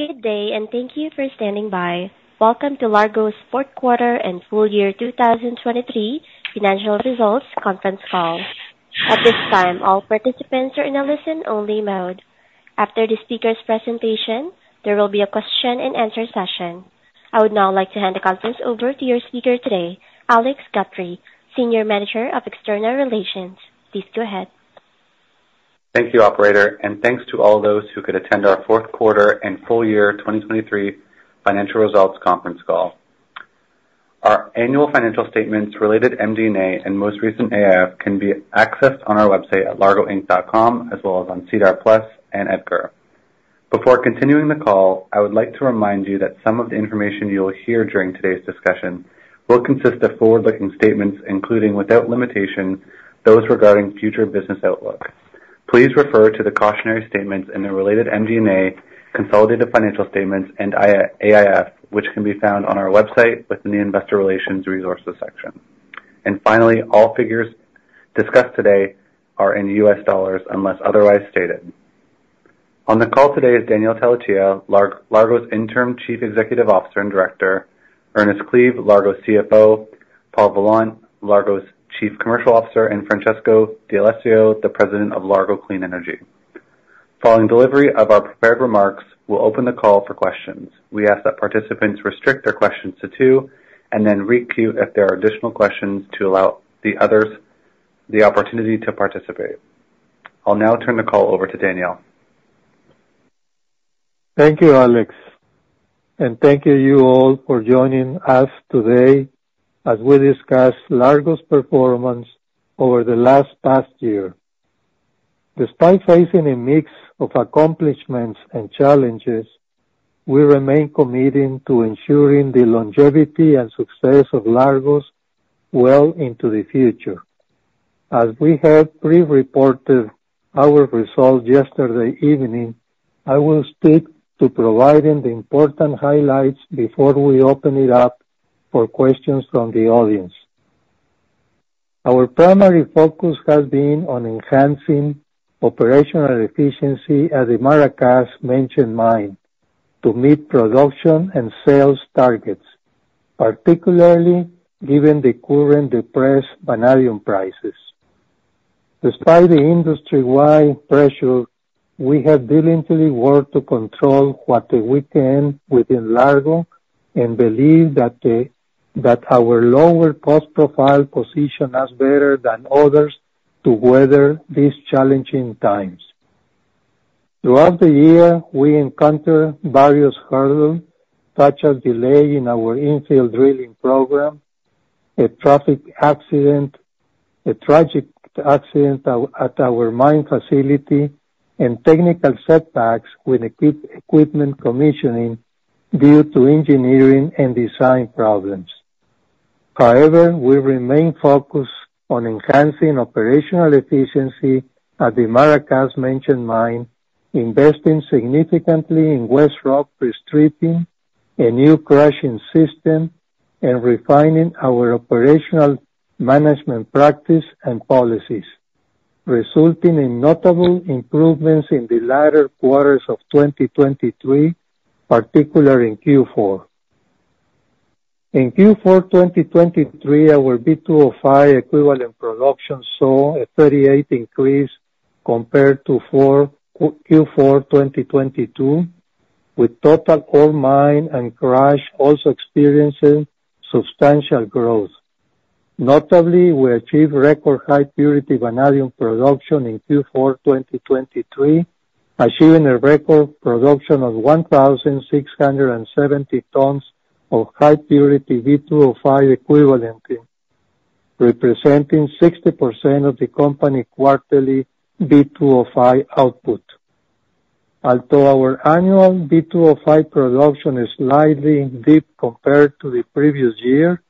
Good day and thank you for standing by. Welcome to Largo's Fourth Quarter and Full Year 2023 Financial Results Conference Call. At this time, all participants are in a listen-only mode. After the speaker's presentation, there will be a question-and-answer session. I would now like to hand the conference over to your speaker today, Alex Guthrie, Senior Manager of External Relations. Please go ahead. Thank you, Operator, and thanks to all those who could attend our fourth quarter and full year 2023 financial results conference call. Our annual financial statements, related MD&A, and most recent AIF can be accessed on our website at largoinc.com as well as on SEDAR+ and EDGAR. Before continuing the call, I would like to remind you that some of the information you'll hear during today's discussion will consist of forward-looking statements, including without limitation, those regarding future business outlook. Please refer to the cautionary statements and the related MD&A, consolidated financial statements, and AIF, which can be found on our website within the Investor Relations Resources section. And finally, all figures discussed today are in U.S. dollars unless otherwise stated. On the call today is Daniel Tellechea, Largo's interim Chief Executive Officer and Director; Ernest Cleave, Largo's CFO; Paul Vollant, Largo's Chief Commercial Officer; and Francesco D'Alessio, the President of Largo Clean Energy. Following delivery of our prepared remarks, we'll open the call for questions. We ask that participants restrict their questions to two and then requeue if there are additional questions to allow the others the opportunity to participate. I'll now turn the call over to Daniel. Thank you, Alex. Thank you all for joining us today as we discuss Largo's performance over the past year. Despite facing a mix of accomplishments and challenges, we remain committed to ensuring the longevity and success of Largo well into the future. As we have pre-reported our result yesterday evening, I will stick to providing the important highlights before we open it up for questions from the audience. Our primary focus has been on enhancing operational efficiency at the Maracás Menchen Mine to meet production and sales targets, particularly given the current depressed vanadium prices. Despite the industry-wide pressure, we have diligently worked to control costs within Largo and believe that our lower cost profile positions us better than others to weather these challenging times. Throughout the year, we encountered various hurdles such as delay in our infill drilling program, a traffic accident at our mine facility, and technical setbacks with equipment commissioning due to engineering and design problems. However, we remain focused on enhancing operational efficiency at the Maracás Menchen Mine, investing significantly in waste rock pre-stripping, a new crushing system, and refining our operational management practice and policies, resulting in notable improvements in the latter quarters of 2023, particularly in Q4. In Q4 2023, our V2O5 equivalent production saw a 38% increase compared to Q4 2022, with total ore mined and crushed also experiencing substantial growth. Notably, we achieved record-high purity vanadium production in Q4 2023, achieving a record production of 1,670 tons of high-purity V2O5 equivalents, representing 60% of the company's quarterly V2O5 output. Although our annual V2O5 production is slightly dipped compared to the previous year,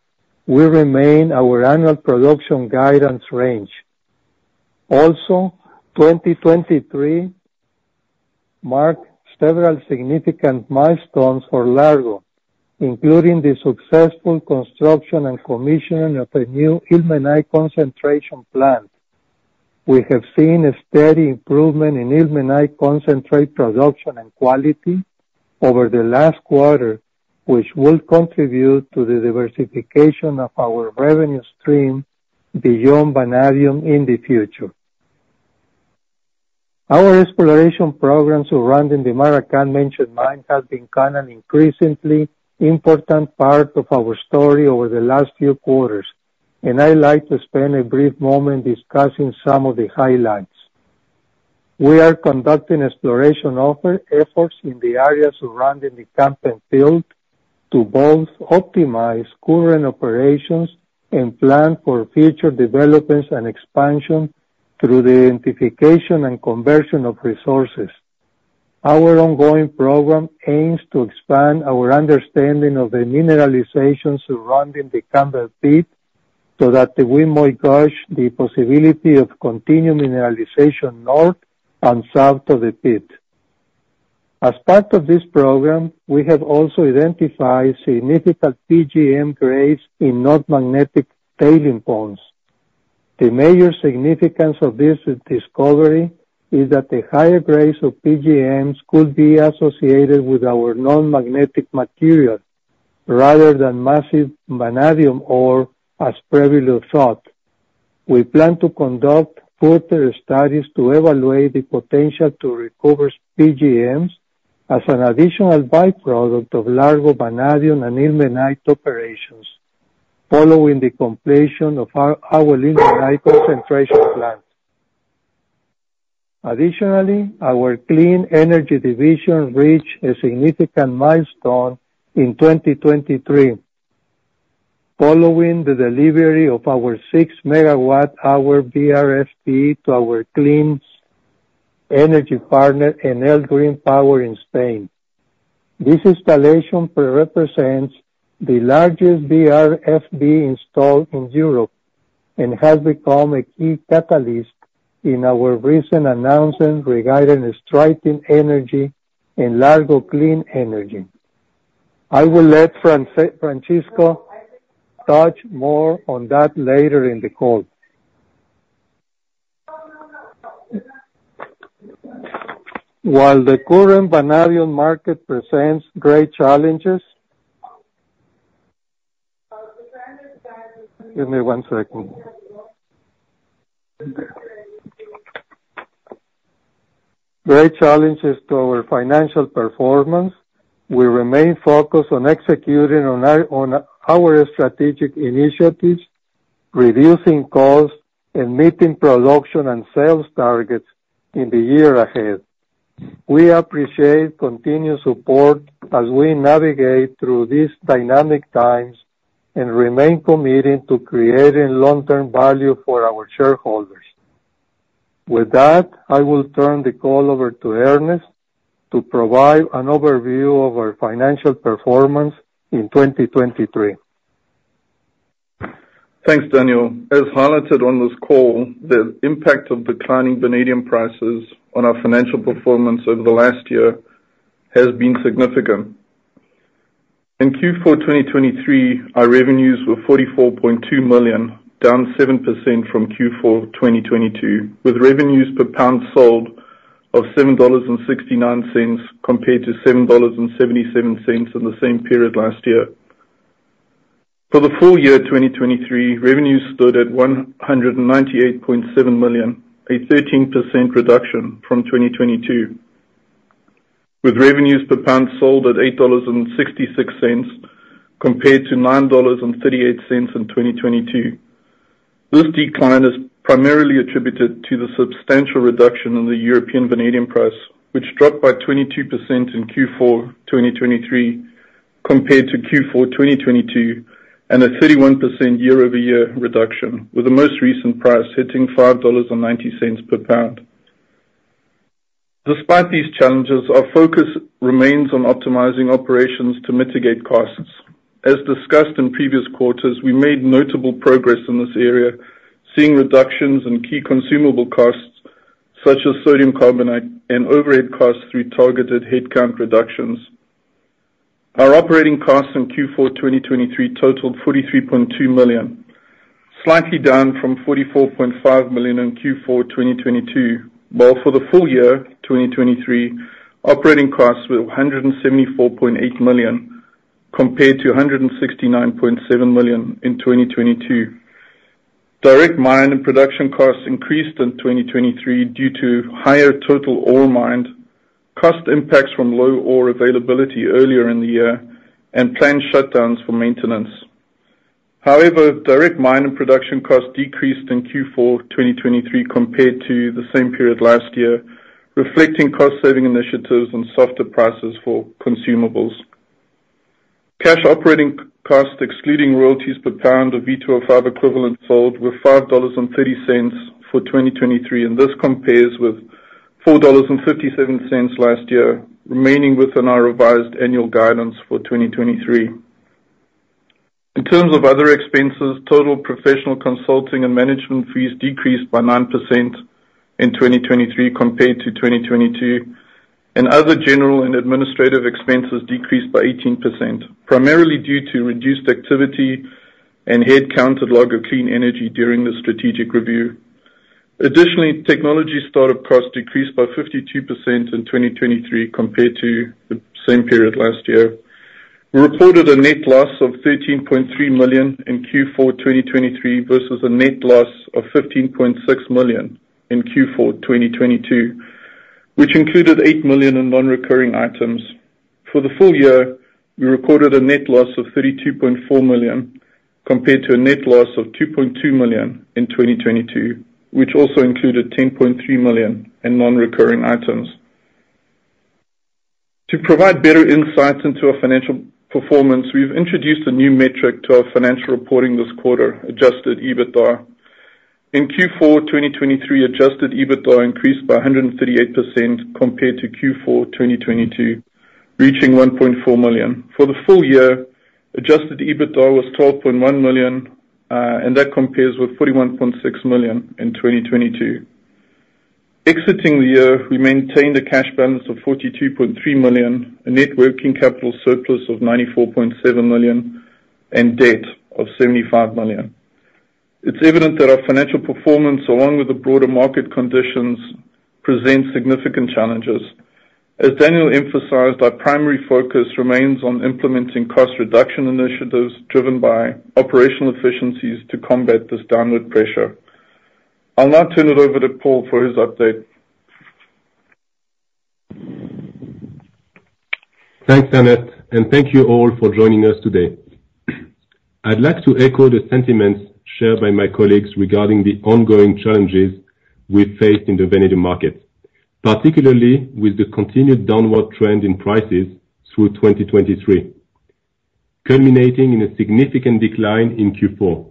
we remain in our annual production guidance range. Also, 2023 marked several significant milestones for Largo, including the successful construction and commissioning of a new ilmenite concentration plant. We have seen a steady improvement in ilmenite concentrate production and quality over the last quarter, which will contribute to the diversification of our revenue stream beyond vanadium in the future. Our exploration program surrounding the Maracás Menchen Mine has been an increasingly important part of our story over the last few quarters, and I'd like to spend a brief moment discussing some of the highlights. We are conducting exploration efforts in the area surrounding the camp and field to both optimize current operations and plan for future developments and expansion through the identification and conversion of resources. Our ongoing program aims to expand our understanding of the mineralization surrounding the Campbell Pit so that we might gauge the possibility of continued mineralization north and south of the pit. As part of this program, we have also identified significant PGM grades in non-magnetic tailings ponds. The major significance of this discovery is that the higher grades of PGMs could be associated with our non-magnetic material rather than massive vanadium ore, as previously thought. We plan to conduct further studies to evaluate the potential to recover PGMs as an additional byproduct of Largo vanadium and ilmenite operations following the completion of our ilmenite concentration plant. Additionally, our Clean Energy division reached a significant milestone in 2023 following the delivery of our 6 MWh VRFB to our Clean Energy partner Enel Green Power in Spain. This installation represents the largest VRFB installed in Europe and has become a key catalyst in our recent announcements regarding Stryten Energy and Largo Clean Energy. I will let Francesco touch more on that later in the call. While the current vanadium market presents great challenges, give me one second. Great challenges to our financial performance, we remain focused on executing on our strategic initiatives, reducing costs, and meeting production and sales targets in the year ahead. We appreciate continued support as we navigate through these dynamic times and remain committed to creating long-term value for our shareholders. With that, I will turn the call over to Ernest to provide an overview of our financial performance in 2023. Thanks, Daniel. As highlighted on this call, the impact of declining vanadium prices on our financial performance over the last year has been significant. In Q4 2023, our revenues were $44.2 million, down 7% from Q4 2022, with revenues per pound sold of $7.69 compared to $7.77 in the same period last year. For the full year 2023, revenues stood at $198.7 million, a 13% reduction from 2022, with revenues per pound sold at $8.66 compared to $9.38 in 2022. This decline is primarily attributed to the substantial reduction in the European vanadium price, which dropped by 22% in Q4 2023 compared to Q4 2022, and a 31% year-over-year reduction, with the most recent price hitting $5.90 per pound. Despite these challenges, our focus remains on optimizing operations to mitigate costs. As discussed in previous quarters, we made notable progress in this area, seeing reductions in key consumable costs such as sodium carbonate and overhead costs through targeted headcount reductions. Our operating costs in Q4 2023 totaled $43.2 million, slightly down from $44.5 million in Q4 2022, while for the full year 2023, operating costs were $174.8 million compared to $169.7 million in 2022. Direct mine and production costs increased in 2023 due to higher total ore mined, cost impacts from low ore availability earlier in the year, and planned shutdowns for maintenance. However, direct mine and production costs decreased in Q4 2023 compared to the same period last year, reflecting cost-saving initiatives and softer prices for consumables. Cash operating costs, excluding royalties per pound of V2O5 equivalent sold, were $5.30 for 2023, and this compares with $4.57 last year, remaining within our revised annual guidance for 2023. In terms of other expenses, total professional consulting and management fees decreased by 9% in 2023 compared to 2022, and other general and administrative expenses decreased by 18%, primarily due to reduced activity and headcount at Largo Clean Energy during the strategic review. Additionally, technology startup costs decreased by 52% in 2023 compared to the same period last year. We reported a net loss of $13.3 million in Q4 2023 versus a net loss of $15.6 million in Q4 2022, which included $8 million in non-recurring items. For the full year, we recorded a net loss of $32.4 million compared to a net loss of $2.2 million in 2022, which also included $10.3 million in non-recurring items. To provide better insights into our financial performance, we've introduced a new metric to our financial reporting this quarter, adjusted EBITDA. In Q4 2023, adjusted EBITDA increased by 138% compared to Q4 2022, reaching $1.4 million. For the full year, adjusted EBITDA was $12.1 million, and that compares with $41.6 million in 2022. Exiting the year, we maintained a cash balance of $42.3 million, a net working capital surplus of $94.7 million, and debt of $75 million. It's evident that our financial performance, along with the broader market conditions, presents significant challenges. As Daniel emphasized, our primary focus remains on implementing cost reduction initiatives driven by operational efficiencies to combat this downward pressure. I'll now turn it over to Paul for his update. Thanks, Ernest, and thank you all for joining us today. I'd like to echo the sentiments shared by my colleagues regarding the ongoing challenges we've faced in the vanadium market, particularly with the continued downward trend in prices through 2023, culminating in a significant decline in Q4.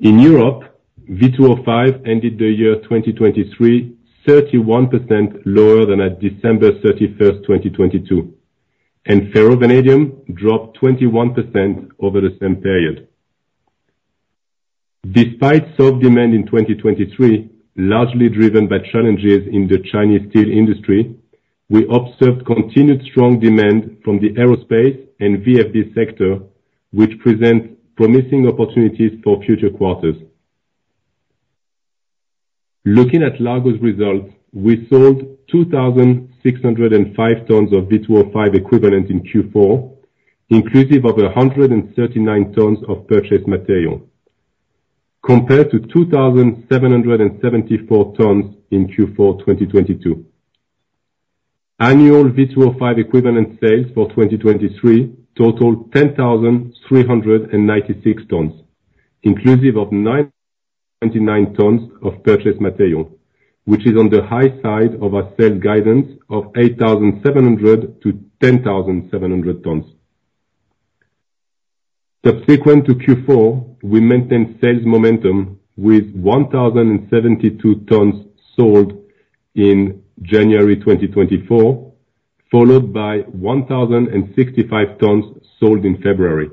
In Europe, V2O5 ended the year 2023 31% lower than at December 31st, 2022, and ferrovanadium dropped 21% over the same period. Despite soft demand in 2023, largely driven by challenges in the Chinese steel industry, we observed continued strong demand from the aerospace and VRFB sector, which present promising opportunities for future quarters. Looking at Largo's results, we sold 2,605 tons of V2O5 equivalent in Q4, inclusive of 139 tons of purchased material, compared to 2,774 tons in Q4 2022. Annual V2O5 equivalent sales for 2023 totaled 10,396 tons, inclusive of 99 tons of purchased material, which is on the high side of our sales guidance of 8,700-10,700 tons. Subsequent to Q4, we maintained sales momentum with 1,072 tons sold in January 2024, followed by 1,065 tons sold in February.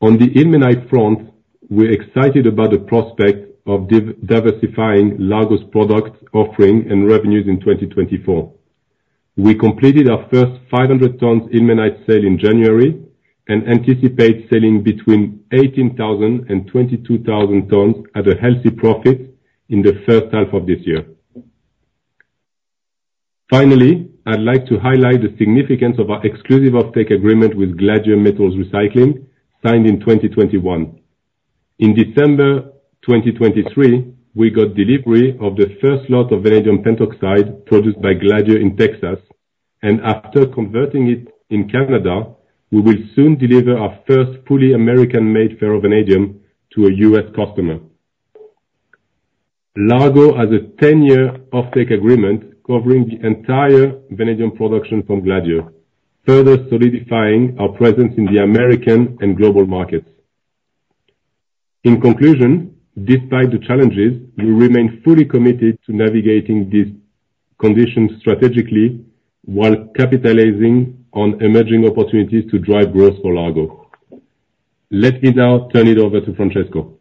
On the ilmenite front, we're excited about the prospect of diversifying Largo's product offering and revenues in 2024. We completed our first 500 tons ilmenite sale in January and anticipate selling between 18,000 and 22,000 tons at a healthy profit in the first half of this year. Finally, I'd like to highlight the significance of our exclusive offtake agreement with Gladieux Metals Recycling, signed in 2021. In December 2023, we got delivery of the first lot of vanadium pentoxide produced by Gladieux in Texas, and after converting it in Canada, we will soon deliver our first fully American-made ferrovanadium to a U.S. customer. Largo has a 10-year offtake agreement covering the entire vanadium production from Gladieux, further solidifying our presence in the American and global markets. In conclusion, despite the challenges, we remain fully committed to navigating these conditions strategically while capitalizing on emerging opportunities to drive growth for Largo. Let me now turn it over to Francesco.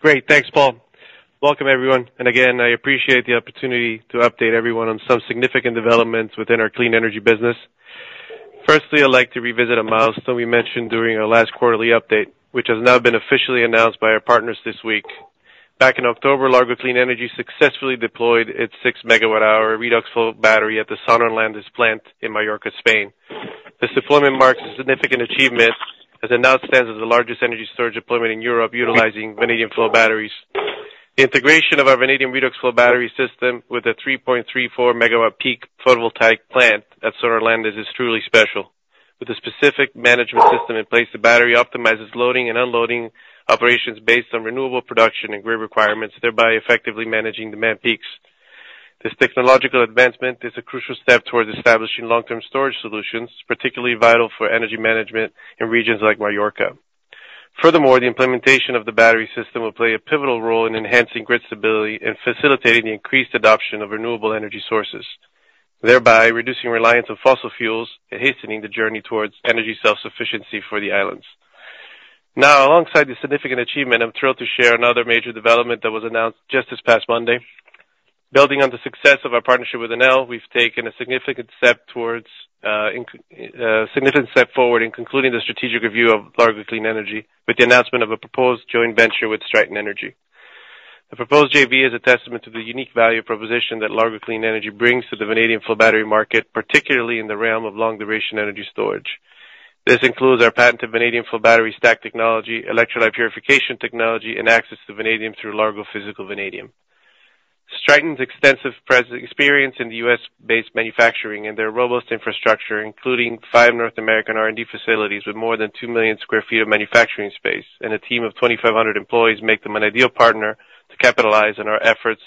Great. Thanks, Paul. Welcome, everyone. And again, I appreciate the opportunity to update everyone on some significant developments within our Clean Energy business. Firstly, I'd like to revisit a milestone we mentioned during our last quarterly update, which has now been officially announced by our partners this week. Back in October, Largo Clean Energy successfully deployed its 6-megawatt-hour redox flow battery at the Son Orlandis plant in Mallorca, Spain. This deployment marks a significant achievement as it now stands as the largest energy storage deployment in Europe utilizing vanadium flow batteries. The integration of our vanadium redox flow battery system with a 3.34-megawatt peak photovoltaic plant at Son Orlandis is truly special. With a specific management system in place, the battery optimizes loading and unloading operations based on renewable production and grid requirements, thereby effectively managing demand peaks. This technological advancement is a crucial step towards establishing long-term storage solutions, particularly vital for energy management in regions like Mallorca. Furthermore, the implementation of the battery system will play a pivotal role in enhancing grid stability and facilitating the increased adoption of renewable energy sources, thereby reducing reliance on fossil fuels and hastening the journey towards energy self-sufficiency for the islands. Now, alongside this significant achievement, I'm thrilled to share another major development that was announced just this past Monday. Building on the success of our partnership with Enel, we've taken a significant step towards a significant step forward in concluding the strategic review of Largo Clean Energy with the announcement of a proposed joint venture with Stryten Energy. The proposed JV is a testament to the unique value proposition that Largo Clean Energy brings to the vanadium flow battery market, particularly in the realm of long-duration energy storage. This includes our patented vanadium flow battery stack technology, electrolyte purification technology, and access to vanadium through Largo Physical Vanadium. Stryten's extensive experience in the U.S.-based manufacturing and their robust infrastructure, including five North American R&D facilities with more than 2 million sq ft of manufacturing space and a team of 2,500 employees, make them an ideal partner to capitalize on our efforts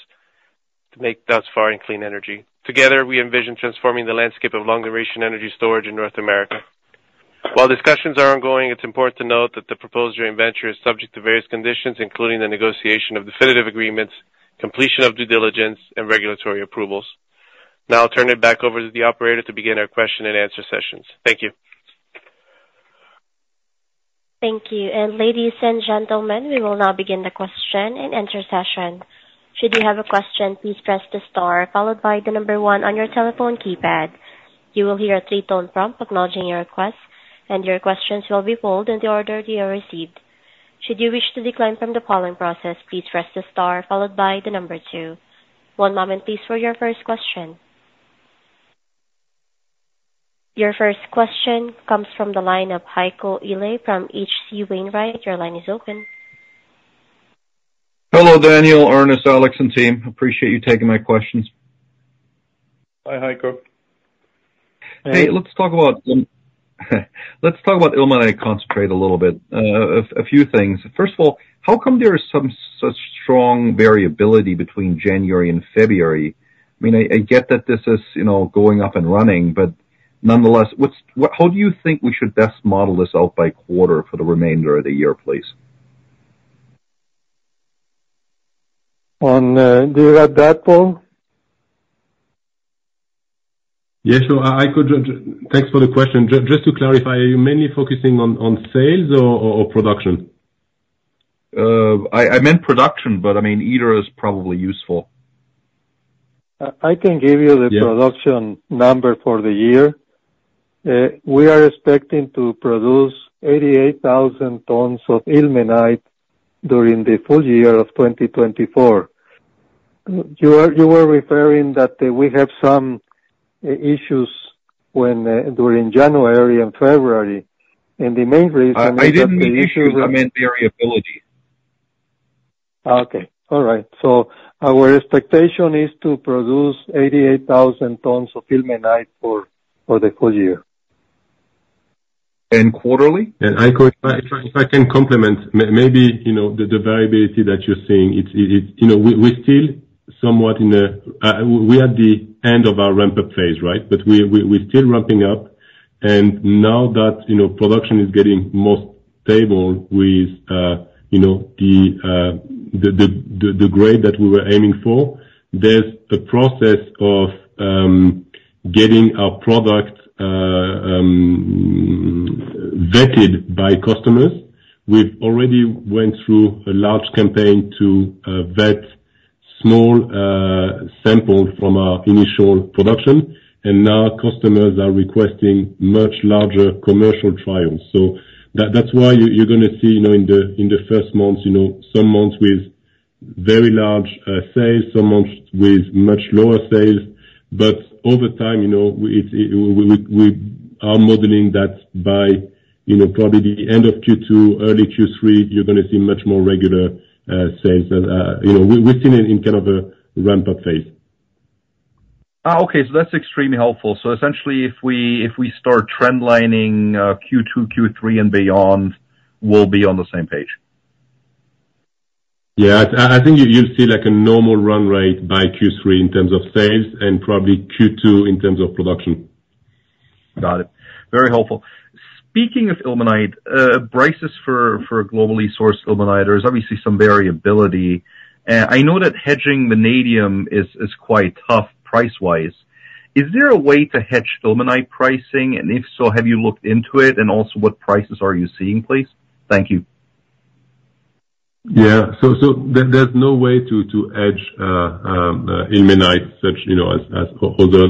made thus far in Clean Energy. Together, we envision transforming the landscape of long-duration energy storage in North America. While discussions are ongoing, it's important to note that the proposed joint venture is subject to various conditions, including the negotiation of definitive agreements, completion of due diligence, and regulatory approvals. Now, I'll turn it back over to the operator to begin our question-and-answer session. Thank you. Thank you. Ladies and gentlemen, we will now begin the question-and-answer session. Should you have a question, please press the star followed by the number 1 on your telephone keypad. You will hear a 3-tone prompt acknowledging your request, and your questions will be polled in the order you have received. Should you wish to decline from the polling process, please press the star followed by the number 2. One moment, please, for your first question. Your first question comes from the line of Heiko Ihle from H.C. Wainwright. Your line is open. Hello, Daniel, Ernest, Alex, and team. Appreciate you taking my questions. Hi, Heiko. Hey, let's talk about ilmenite concentrate a little bit, a few things. First of all, how come there is some such strong variability between January and February? I mean, I get that this is going up and running, but nonetheless, how do you think we should best model this out by quarter for the remainder of the year, please? Do you have that, Paul? Yes. Thanks for the question. Just to clarify, are you mainly focusing on sales or production? I meant production, but I mean, either is probably useful. I can give you the production number for the year. We are expecting to produce 88,000 tons of ilmenite during the full year of 2024. You were referring that we have some issues during January and February. And the main reason is that the issues. I didn't mean issues. I meant variability. Okay. All right. So our expectation is to produce 88,000 tons of ilmenite for the full year. And quarterly? And Heiko, if I can complement, maybe the variability that you're seeing, we're still somewhat at the end of our ramp-up phase, right? But we're still ramping up. And now that production is getting more stable with the grade that we were aiming for, there's a process of getting our product vetted by customers. We've already went through a large campaign to vet small samples from our initial production, and now customers are requesting much larger commercial trials. So that's why you're going to see in the first months, some months with very large sales, some months with much lower sales. But over time, we are modeling that by probably the end of Q2, early Q3, you're going to see much more regular sales. We're still in kind of a ramp-up phase. Okay. That's extremely helpful. Essentially, if we start trendlining Q2, Q3, and beyond, we'll be on the same page? Yeah. I think you'll see a normal run rate by Q3 in terms of sales and probably Q2 in terms of production. Got it. Very helpful. Speaking of ilmenite, prices for globally sourced ilmenite, there's obviously some variability. I know that hedging vanadium is quite tough price-wise. Is there a way to hedge ilmenite pricing? And if so, have you looked into it? And also, what prices are you seeing, please? Thank you. Yeah. So there's no way to hedge ilmenite such as other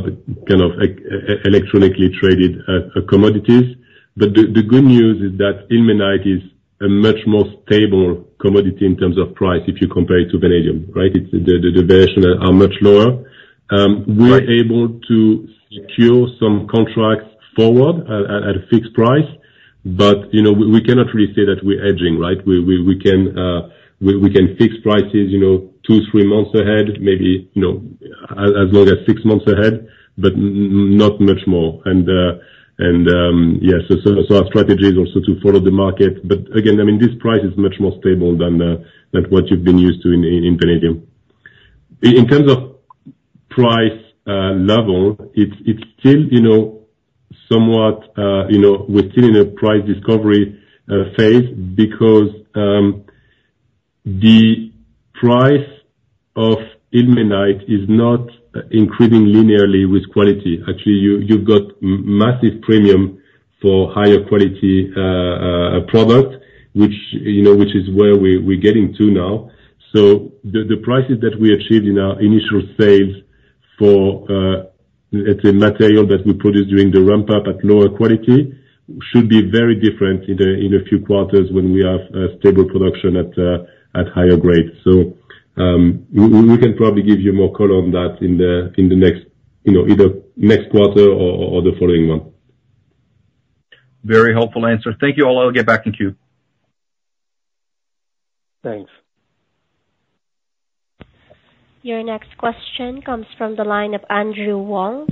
kind of electronically traded commodities. But the good news is that ilmenite is a much more stable commodity in terms of price if you compare it to vanadium, right? The variations are much lower. We're able to secure some contracts forward at a fixed price, but we cannot really say that we're hedging, right? We can fix prices two to three months ahead, maybe as long as 6 months ahead, but not much more. And yeah, so our strategy is also to follow the market. But again, I mean, this price is much more stable than what you've been used to in vanadium. In terms of price level, it's still somewhat we're still in a price discovery phase because the price of ilmenite is not increasing linearly with quality. Actually, you've got massive premium for higher quality product, which is where we're getting to now. So the prices that we achieved in our initial sales for, let's say, material that we produce during the ramp-up at lower quality should be very different in a few quarters when we have stable production at higher grade. So we can probably give you more color on that in the next either next quarter or the following one. Very helpful answer. Thank you all. I'll get back in queue. Thanks. Your next question comes from the line of Andrew Wong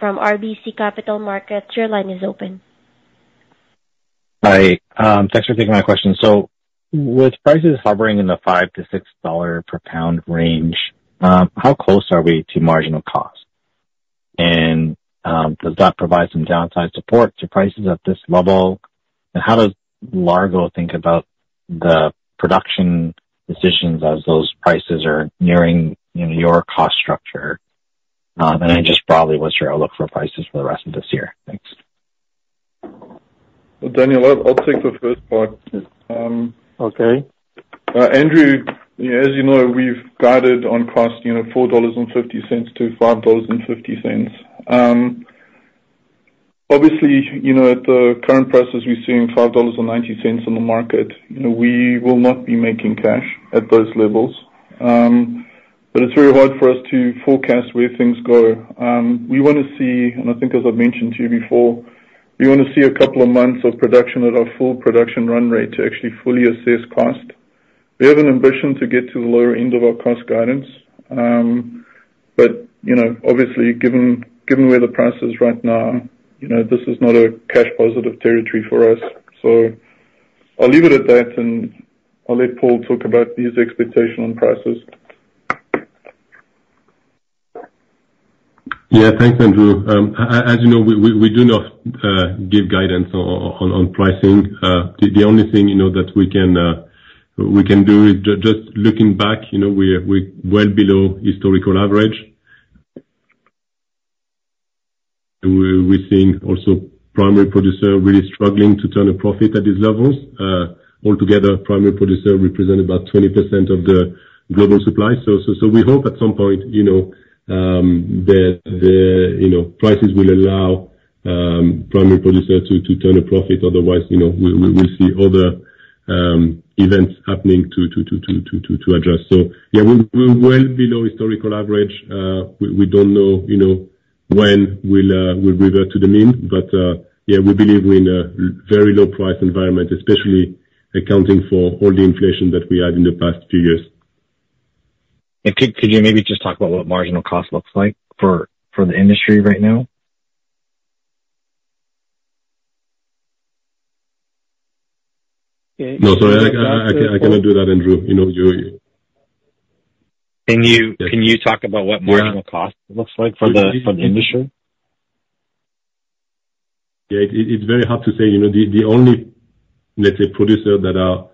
from RBC Capital Markets. Your line is open. Hi. Thanks for taking my question. So with prices hovering in the $5 to $6 per pound range, how close are we to marginal cost? And does that provide some downside support to prices at this level? And how does Largo think about the production decisions as those prices are nearing your cost structure? And then just broadly, what's your outlook for prices for the rest of this year? Thanks. Well, Daniel, I'll take the first part. Okay. Andrew, as you know, we've guided on cost $0.045 to $0.055. Obviously, at the current prices we're seeing, $0.059 in the market, we will not be making cash at those levels. But it's very hard for us to forecast where things go. We want to see, and I think, as I've mentioned to you before, we want to see a couple of months of production at our full production run rate to actually fully assess cost. We have an ambition to get to the lower end of our cost guidance. But obviously, given where the price is right now, this is not a cash-positive territory for us. So I'll leave it at that, and I'll let Paul talk about his expectation on prices. Yeah. Thanks, Andrew. As you know, we do not give guidance on pricing. The only thing that we can do is just looking back, we're well below historical average. We're seeing also primary producer really struggling to turn a profit at these levels. Altogether, primary producer represent about 20% of the global supply. So we hope at some point that prices will allow primary producer to turn a profit. Otherwise, we'll see other events happening to address. So yeah, we're well below historical average. We don't know when we'll revert to the mean. But yeah, we believe we're in a very low-price environment, especially accounting for all the inflation that we had in the past few years. Could you maybe just talk about what marginal cost looks like for the industry right now? No, sorry. I cannot do that, Andrew. Can you talk about what marginal cost looks like for the industry? Yeah. It's very hard to say. The only, let's say, producer that are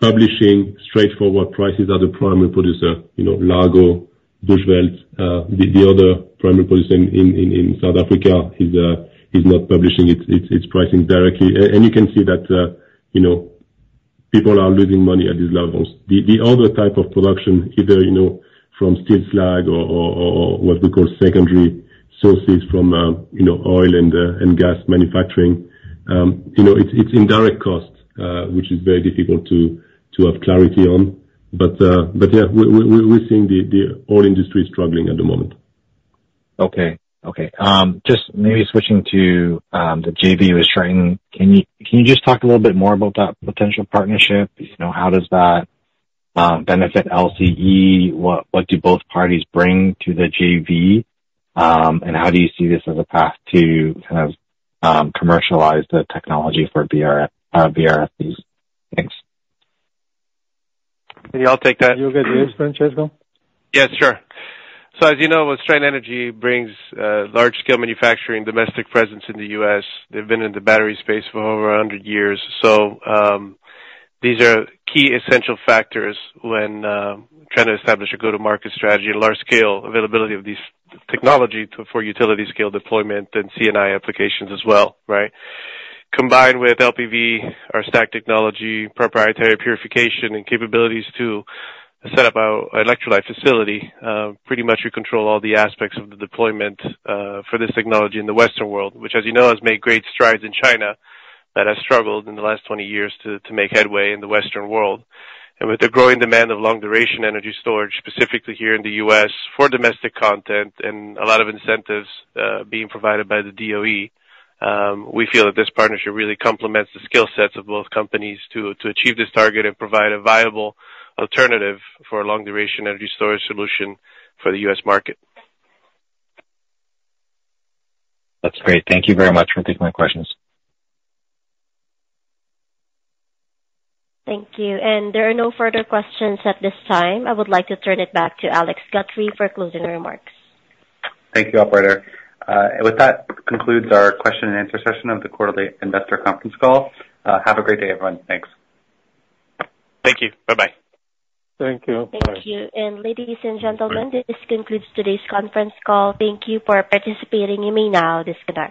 publishing straightforward prices are the primary producer, Largo, Bushveld. The other primary producer in South Africa is not publishing its pricing directly. And you can see that people are losing money at these levels. The other type of production, either from steel slag or what we call secondary sources from oil and gas manufacturing, it's indirect cost, which is very difficult to have clarity on. But yeah, we're seeing the oil industry struggling at the moment. Okay. Okay. Just maybe switching to the JV with Stryten, can you just talk a little bit more about that potential partnership? How does that benefit LCE? What do both parties bring to the JV? And how do you see this as a path to kind of commercialize the technology for VRFBs? Thanks. Maybe I'll take that. You'll get yours, Francesco? Yeah. Sure. So as you know, Stryten Energy brings large-scale manufacturing, domestic presence in the U.S. They've been in the battery space for over 100 years. So these are key essential factors when trying to establish a go-to-market strategy, large-scale availability of this technology for utility-scale deployment and C&I applications as well, right? Combined with LPV, our stack technology, proprietary purification, and capabilities to set up our electrolyte facility, pretty much we control all the aspects of the deployment for this technology in the Western world, which, as you know, has made great strides in China but has struggled in the last 20 years to make headway in the Western world. With the growing demand of long-duration energy storage, specifically here in the U.S. for domestic content and a lot of incentives being provided by the DOE, we feel that this partnership really complements the skill sets of both companies to achieve this target and provide a viable alternative for a long-duration energy storage solution for the U.S. market. That's great. Thank you very much for taking my questions. Thank you. There are no further questions at this time. I would like to turn it back to Alex Guthrie for closing remarks. Thank you, operator. With that, concludes our question-and-answer session of the quarterly investor conference call. Have a great day, everyone. Thanks. Thank you. Bye-bye. Thank you. Bye. Thank you. Ladies and gentlemen, this concludes today's conference call. Thank you for participating. You may now disconnect.